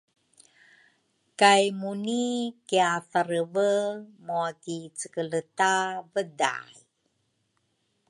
kay Muni kiathareve mua ki cekeleta Vedai.